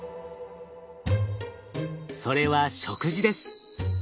それは食事です。